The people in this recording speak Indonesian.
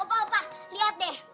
opa opa lihat deh